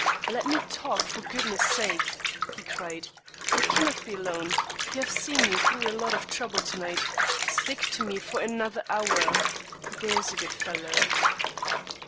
"Let me talk, for goodness' sake!" he cried. "I cannot be alone. You have seen me through a lot of trouble to night. Stick to me for another hour, there's a good fellow."